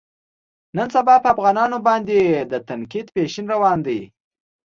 نن سبا په افغانانو باندې د تنقید فیشن روان دی.